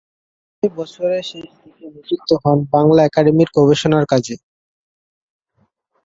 সে বছরের শেষ দিকে নিযুক্ত হন বাংলা একাডেমির গবেষণার কাজে।